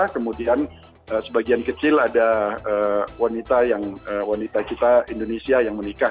kemudian sebagian kecil ada wanita kita indonesia yang menikah